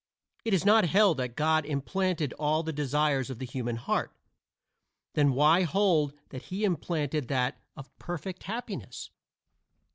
It is not held that God implanted all the desires of the human heart. Then why hold that he implanted that of perfect happiness?